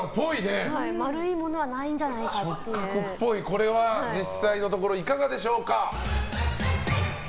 これは実際のところいかがでしょうか？